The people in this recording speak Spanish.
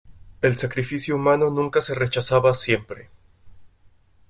El sacrificio humano nunca se rechazaba siempre.